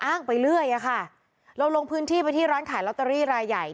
ไปเรื่อยอะค่ะเราลงพื้นที่ไปที่ร้านขายลอตเตอรี่รายใหญ่